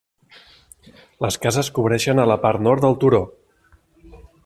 Les cases cobreixen a la part nord del turó.